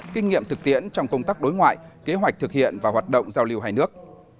kinh nghiệm thực tiễn trong công tác đối ngoại kế hoạch thực hiện và hoạt động giao lưu hai nước